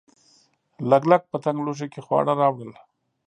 لګلګ په تنګ لوښي کې خواړه راوړل.